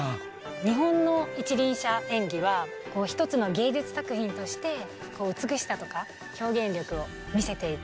日本の一輪車演技は、一つの芸術作品として美しさとか表現力を見せていく。